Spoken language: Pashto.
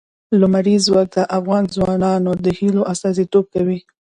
لمریز ځواک د افغان ځوانانو د هیلو استازیتوب کوي.